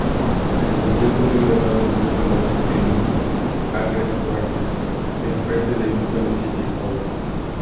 El concierto fue grabado en "Buffalo" en "Niagara Square" enfrente de "Buffalo City Hall".